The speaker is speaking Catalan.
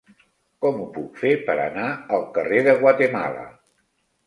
Com ho puc fer per anar al carrer de Guatemala?